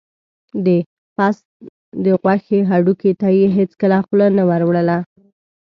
د پس د غوښې هډوکي ته یې هېڅکله خوله نه وروړله.